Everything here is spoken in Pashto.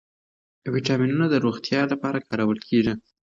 ویټامینونه د روغتیا لپاره کارول کېږي.